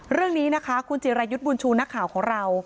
เรื่องนี้นะคะคุณจิรายุทธ์บุญชูนักข่าวของเรา